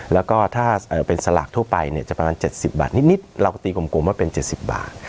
แล้วก็ถ้าเป็นสลากทั่วไปจะประมาณ๗๐บาทนิดเราก็ตีกลมว่าเป็น๗๐บาท